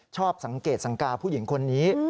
ชอบสังเกตสังกาผู้หญิงคนนี้